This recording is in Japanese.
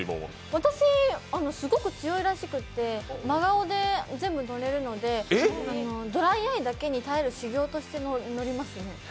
私、すごく強いらしくて、真顔で全部乗れるのでドライアイだけに耐える修業として乗りますね。